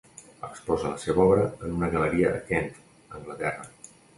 Exposa la seva obra en una galeria a Kent, Anglaterra.